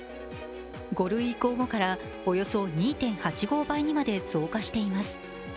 ５類移行後からおよそ２．８５倍にまで増加しています。